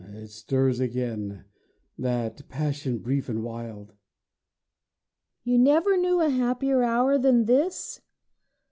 (It stirs again, that passion brief and wild.) WIFE You never knew a happier hour than this?